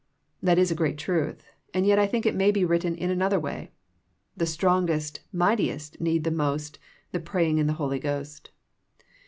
That is a great truth, and yet I think it may be written in another way, The strongest, mightiest need the most The praying in the Holy Ghost.